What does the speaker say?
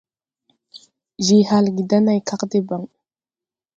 Je halge da nãy kag debaŋ.